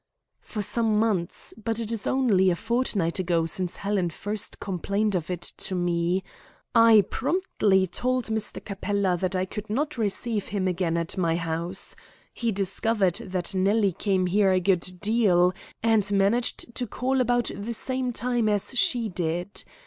"For some months, but it is only a fortnight ago since Helen first complained of it to me I promptly told Mr. Capella that I could not receive him again at my house. He discovered that Nellie came here a good deal, and managed to call about the same time as she did.